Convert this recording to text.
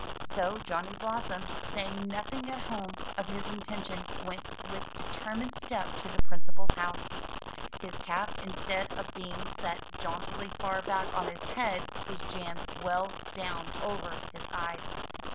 So Johnny Blossom, saying nothing at home of his intention, went with determined step to the Principal's house. His cap, instead of being set jauntily far back on his head, was jammed well down over his eyes.